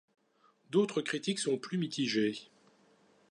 D'autres critiques sont plus mitigées.